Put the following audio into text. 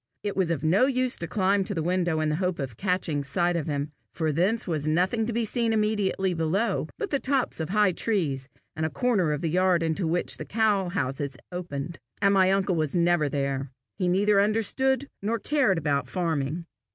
It was of no use to climb to the window in the hope of catching sight of him, for thence was nothing to be seen immediately below but the tops of high trees and a corner of the yard into which the cow houses opened, and my uncle was never there. He neither understood nor cared about farming.